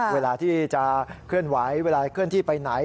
เวลาที่จะเคลื่อนไหวเวลาเคลื่อนที่ไปไหน